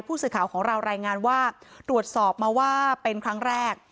ผู้สื่อข่าวของเรารายงานว่าตรวจสอบมาว่าเป็นครั้งแรก